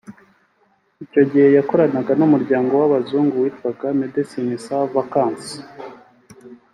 Icyo gihe yakoranaga n’umuryango w’Abazungu witwa Medecin sans Vacance